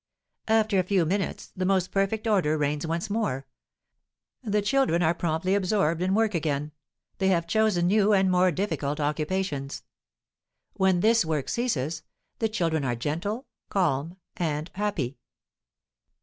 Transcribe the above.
After a few minutes the most perfect order reigns once more; the children are promptly absorbed in work again; they have chosen new and more difficult occupations. When this work ceases, the children are gentle, calm, and happy.